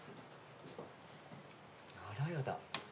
あらやだ。